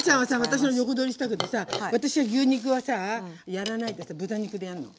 私の横取りしたけどさ私は牛肉はやらないで豚肉でやるの。